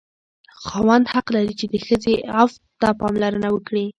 خاوند حق لري چې د ښځې عفت ته پاملرنه وکړي.